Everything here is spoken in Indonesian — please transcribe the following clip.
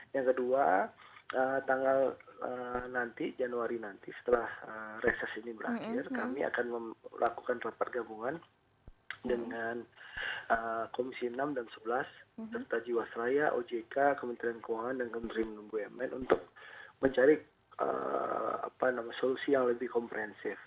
yang kedua tanggal nanti januari nanti setelah reses ini berakhir kami akan lakukan rapat gabungan dengan komisi enam dan sebelas serta jiwasraya ojk kementerian keuangan dan kementerian menumbuh mn untuk mencari solusi yang lebih komprehensif